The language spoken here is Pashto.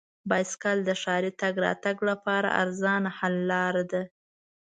بایسکل د ښاري تګ راتګ لپاره ارزانه حل دی.